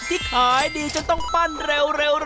ที่ขายดีจนต้องปั้นเร็ว